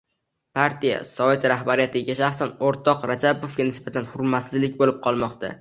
— partiya-sovet rahbariyatiga, shaxsan o‘rtoq Rajabovga nisbatan hurmatsizlik bo‘lib qolmoqda!